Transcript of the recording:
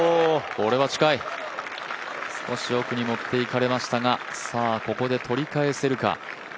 少し奥に持っていかれましたが、ここで取り返せるか。